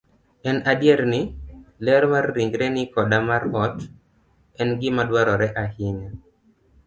En adier ni, ler mar ringreni koda mar ot, en gima dwarore ahinya.